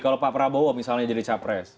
kalau pak prabowo misalnya jadi capres